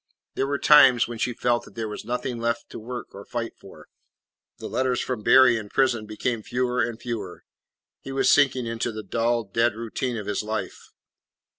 There were times when she felt that there was nothing left to work or fight for. The letters from Berry in prison became fewer and fewer. He was sinking into the dull, dead routine of his life.